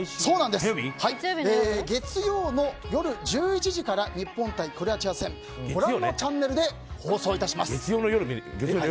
月曜の夜１１時から日本対クロアチア戦ご覧のチャンネルで放送します。